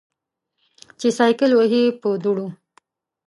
چې سایکل وهې په دوړې.